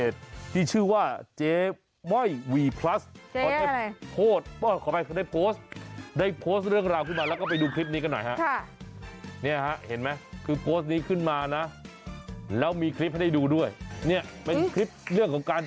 เราก็ทำแบบเบลอไว้อ่ะเนาะ